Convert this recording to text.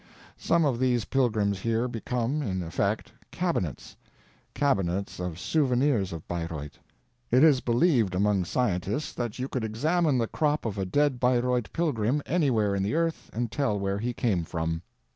Some of these pilgrims here become, in effect, cabinets; cabinets of souvenirs of Bayreuth. It is believed among scientists that you could examine the crop of a dead Bayreuth pilgrim anywhere in the earth and tell where he came from.